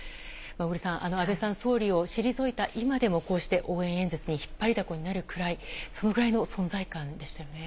小栗さん、安倍さん、総理を退いた今でも、こうして応援演説に引っ張りだこになるぐらい、そのぐらいの存在感でしたよね。